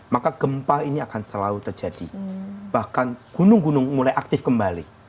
maka gempa ini akan selalu terjadi bahkan gunung gunung mulai aktif kembali